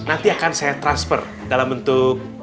nanti akan saya transfer dalam bentuk